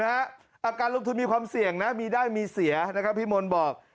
อาการรูปทุนมีความเสี่ยงมีด้ายมีเสียนะคะพี่มนต์บอก